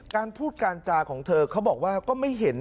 การพูดการจาของเธอเขาบอกว่าก็ไม่เห็น